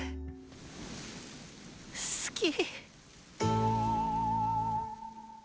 好き。